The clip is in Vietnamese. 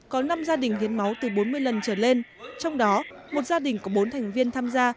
có năm gia đình hiến máu từ bốn mươi lần trở lên trong đó một gia đình có bốn thành viên tham gia